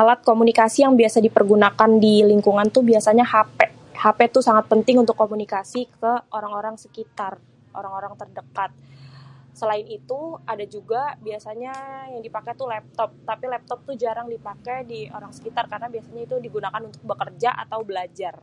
Alat komunikasi yang biasa dipergunakan di lingkungan tuh biasanya hapé. Hapé tuh sangat penting untuk berkomunikasi ke orang-orang sekitar, orang-orang terdekat. Selain itu ada juga biasanya yang dipaké tuh laptop. Tapi laptop tuh jarang dipaké di orang sekitar karna biasanya tuh digunakan untuk bekerja atau belajar.